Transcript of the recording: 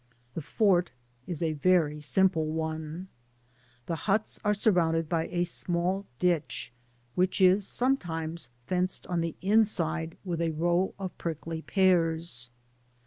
The fort is a very simple one. The huts are • surrounded by a small ditch, which is sometimes fenced on the inside with a row of prickly pears.